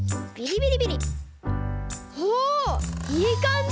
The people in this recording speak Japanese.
おいいかんじ！